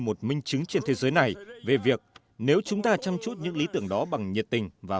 một minh chứng trên thế giới này về việc nếu chúng ta chăm chút những lý tưởng đó bằng nhiệt tình và